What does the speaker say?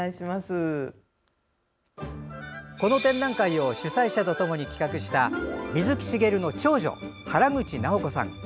この展覧会を主催者と共に企画した水木しげるの長女・原口尚子さん。